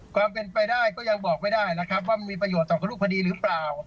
ความเป็นไปได้ก็ยังบอกไม่ได้นะครับว่ามีประโยชน์ต่อรูปคดีหรือเปล่า